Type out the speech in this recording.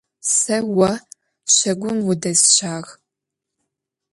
Se vo şagum vudesşağ.